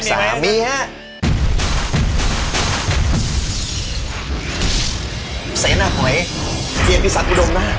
เซนหน้าเหอยเกียรติศัพท์ปุดดมน่า